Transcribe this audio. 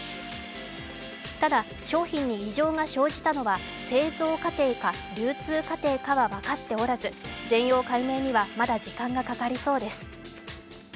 ただ、商品に異常が生じたのは、製造過程か流通過程かは分かっておらず、全容解明にはまだ時間がかかりそうです。